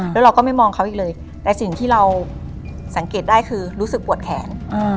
แล้วเราก็ไม่มองเขาอีกเลยแต่สิ่งที่เราสังเกตได้คือรู้สึกปวดแขน